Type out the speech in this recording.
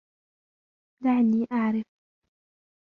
دعني أعرف!